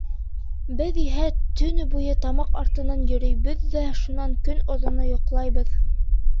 Беҙ иһә төнө буйы тамаҡ артынан йөрөйбөҙ ҙә шунан көн оҙоно йоҡлайбыҙ.